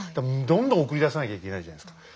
どんどん送り出さなきゃいけないじゃないですか。